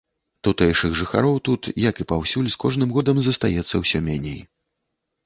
Тутэйшых жыхароў тут, як і паўсюль, з кожным годам застаецца ўсё меней.